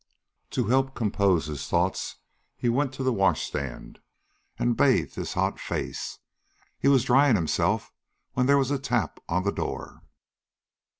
To help compose his thoughts he went to the washstand and bathed his hot face. He was drying himself when there was a tap on the door.